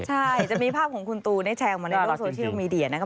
ใช่จะมีภาพของคุณตูได้แชร์ออกมาในโลกโซเชียลมีเดียนะครับ